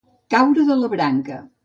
Caure de la branca.